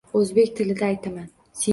Oʻzbek tilida aytaman.